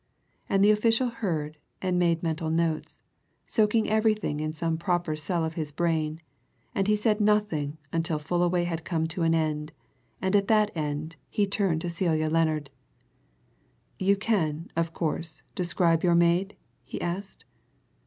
And the official heard, and made mental notes, soaking everything into some proper cell of his brain, and he said nothing until Fullaway had come to an end, and at that end he turned to Celia Lennard. "You can, of course, describe your maid?" he asked.